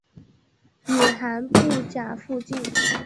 野寒布岬附近。